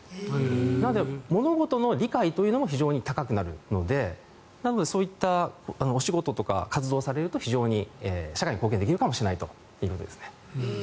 なので、物事の理解というのも非常に高くなるのでなので、そういったお仕事とか活動をされると非常に社会に貢献できるかもしれないということです。